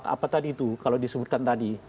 apa tadi itu kalau disebutkan tadi